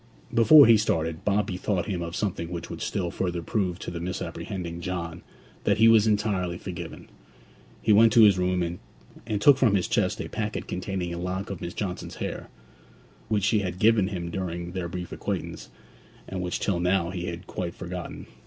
Before he started, Bob bethought him of something which would still further prove to the misapprehending John that he was entirely forgiven. He went to his room, and took from his chest a packet containing a lock of Miss Johnson's hair, which she had given him during their brief acquaintance, and which till now he had quite forgotten.